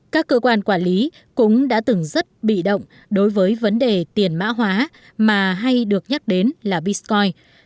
các cơ quan quản lý cũng đã từng rất bị động đối với vấn đề tiền mã hóa mà hay được nhắc đến là bitcoin